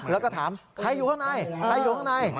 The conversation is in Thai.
แล้วก็ถามใครอยู่ข้างในใครอยู่ข้างใน